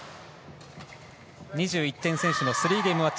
２１点先取の３ゲームマッチ。